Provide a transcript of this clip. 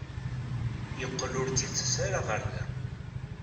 Yeqqel ur d-yettas ara ɣer da.